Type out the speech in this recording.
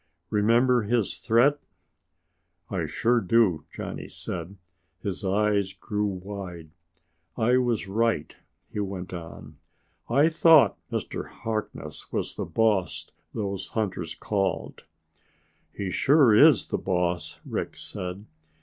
"Remember his threat?" "I sure do!" Johnny said. His eyes grew wide. "I was right," he went on. "I thought Mr. Harkness was the boss those hunters called." "He sure is the boss," Rick said.